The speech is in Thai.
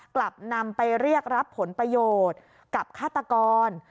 กลับนำไปเรียกรับผลประโยชน์กับฆาตกร